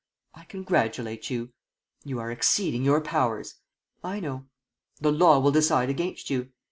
"I congratulate you." "You are exceeding your powers." "I know." "The law will decide against you."